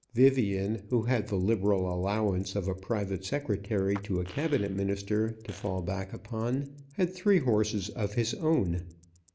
Vivian, who had the liberal allowance of a private secretary to a Cabinet Minister to fall back upon, had three horses of his own.